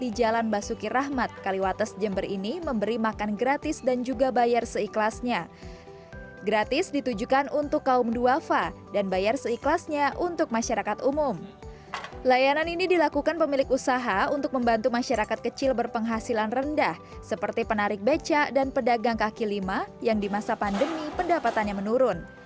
di jalan basuki rahmat kaliwates jember ini memberi makan gratis dan juga bayar seikhlasnya gratis ditujukan untuk kaum duafa dan bayar seikhlasnya untuk masyarakat umum layanan ini dilakukan pemilik usaha untuk membantu masyarakat kecil berpenghasilan rendah seperti penarik beca dan pedagang kaki lima yang di masa pandemi pendapatannya menurun